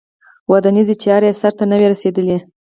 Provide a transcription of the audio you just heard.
ودانیزې چارې یې سرته نه وې رسېدلې.